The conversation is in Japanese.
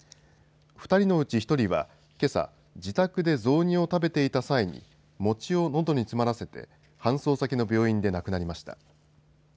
２人のうち１人はけさ自宅で雑煮を食べていた際に餅をのどに詰まらせて搬送先の病院で亡くなりました。